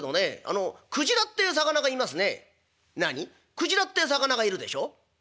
「くじらってぇ魚がいるでしょ？」。